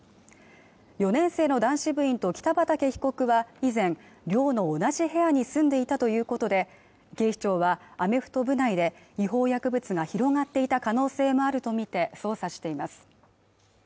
４年生の男子部員と北畠被告は以前寮の同じ部屋に住んでいたということで警視庁はアメフト部内で違法薬物が広がっていた可能性もあるとみて捜査しています